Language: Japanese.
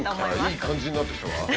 いい感じになってきたわ。